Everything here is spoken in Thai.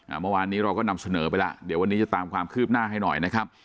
เมื่อวานนี้เราก็นำเสนอไปแล้วเดี๋ยววันนี้จะตามความคืบหน้าให้หน่อยนะครับ